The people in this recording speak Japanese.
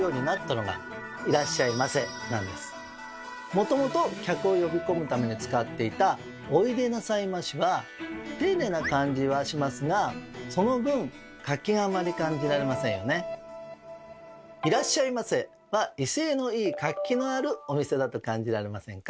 もともと客を呼び込むために使っていた「おいでなさいまし」は「いらっしゃいませ」は威勢のいい活気のあるお店だと感じられませんか？